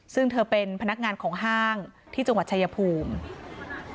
ซึ่งเธอเป็นพนักงานของห้างที่จังหวัดชายภูมิ